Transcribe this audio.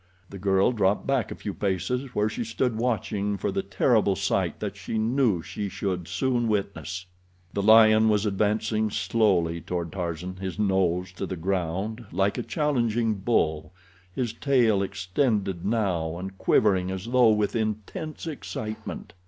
The girl dropped back a few paces, where she stood watching for the terrible sight that she knew she should soon witness. The lion was advancing slowly toward Tarzan, his nose to the ground, like a challenging bull, his tail extended now and quivering as though with intense excitement.